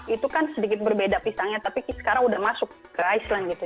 itu kan sedikit berbeda pisangnya tapi sekarang udah masuk ke iceland gitu